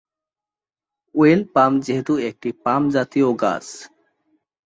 Oil palm যেহেতু একটি palm জাতীয় গাছ।